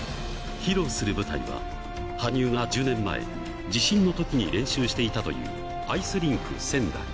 披露する舞台は、羽生が１０年前、地震のときに練習していたというアイスリンク仙台。